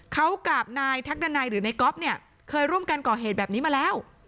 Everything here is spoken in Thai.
เขากับนายทักดันัยหรือในก๊อฟเนี่ยเคยร่วมกันก่อเหตุแบบนี้มาแล้ว